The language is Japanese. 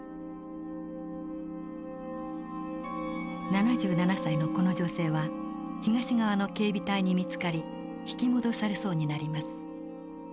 ７７歳のこの女性は東側の警備隊に見つかり引き戻されそうになります。